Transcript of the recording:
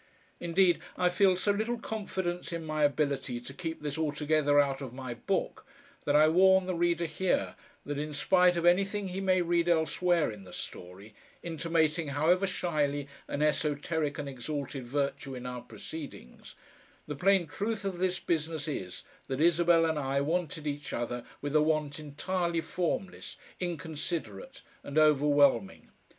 Indeed, I feel so little confidence in my ability to keep this altogether out of my book that I warn the reader here that in spite of anything he may read elsewhere in the story, intimating however shyly an esoteric and exalted virtue in our proceedings, the plain truth of this business is that Isabel and I wanted each other with a want entirely formless, inconsiderate, and overwhelming.